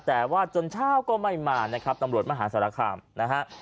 แต่ว่าจนเช้าก็ไม่มานะครับตำรวจมหาสารคามนะฮะ